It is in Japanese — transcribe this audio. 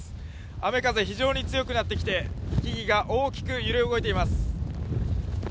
雨風非常に強くなってきて木々が大きく揺れ動いています。